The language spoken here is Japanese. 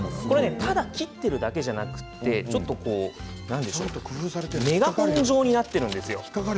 ただ切っているだけじゃなくてメガホン状になっているんですよ。